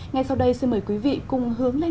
ngay sau đây xin mời quý vị cùng hướng lên